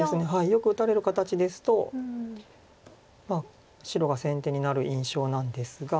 よく打たれる形ですと白が先手になる印象なんですが。